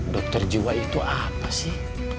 dokter jiwa itu apa sih